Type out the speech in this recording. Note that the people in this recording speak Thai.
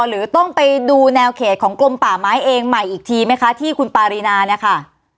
หรือต้องไปดูแนวเขตของกลมป่าไม้เองใหม่อีกทีไหมคะที่คุณปารีนาเนี่ยค่ะ